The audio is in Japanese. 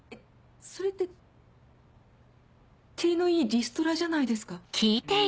それって体のいいリストラじゃないですか。